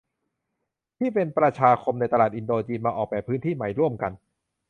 ที่เป็นประชาคมในตลาดอินโดจีนมาออกแบบพื้นที่ใหม่ร่วมกัน